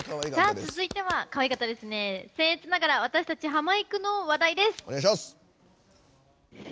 続いてはせん越ながら、私たちハマいくの話題です。